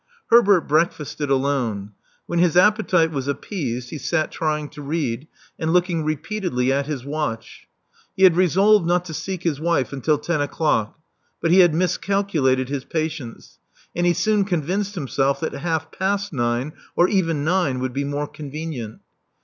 Herbert breakfasted alone. When his appetite was appeased, he sat trying to read, and looking repeatedly at his watch. He had resolved not to seek his wife until ten o'clock ; but he had miscalculated his patience; and he soon convinced himself that half past nine, or even nine, would be more convenient.